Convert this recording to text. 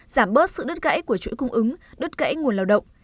giảm bớt sự đứt gãy của chuỗi cung ứng đứt gãy nguồn lao động